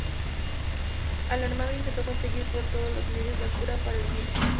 Alarmado, intentó conseguir por todos los medios la cura para el virus.